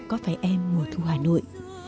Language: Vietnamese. có phải em mùa thu hà nội